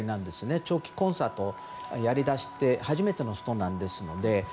長期コンサートやりだした初めての人ですので。